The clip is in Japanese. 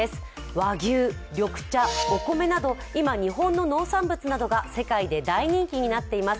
和牛、緑茶、お米など今、日本の農産物が世界で大人気になっています。